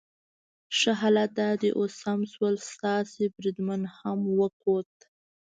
ښه، حالات دا دي اوس سم شول، ستاسي بریدمن مې وکوت.